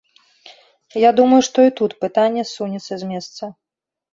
Я думаю, што і тут пытанне ссунецца з месца.